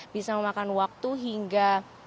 bisa memakan waktu hingga